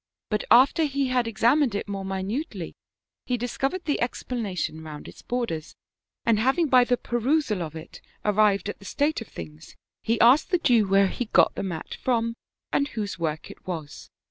But after he had examined it more mi nutely he discovered the explanation round its borders, and having by the perusal of it arrived at the state of things, he asked the Jew where he got the mat from, and whose work it was